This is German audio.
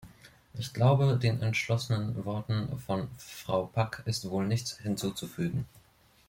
Ich glaube, den entschlossenen Worten von Frau Pack ist wohl nichts hinzuzufügen.